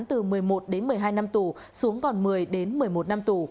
từ một mươi một đến một mươi hai năm tù xuống còn một mươi đến một mươi một năm tù